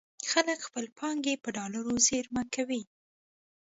خلک خپلې پانګې په ډالرو زېرمه کوي.